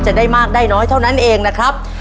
จะได้มากได้น้อยเท่านั้นเองนะครับ